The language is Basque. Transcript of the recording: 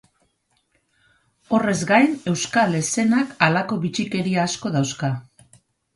Horrez gain, euskal eszenak halako bitxikeria asko dauzka.